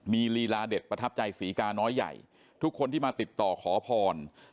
มีลีลาเด็ดประทับใจศรีกาน้อยใหญ่ทุกคนที่มาติดต่อขอพร